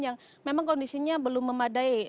yang memang kondisinya belum memadai